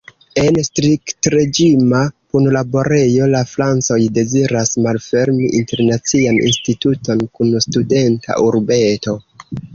En striktreĝima punlaborejo la francoj deziras malfermi internacian instituton kun studenta urbeto.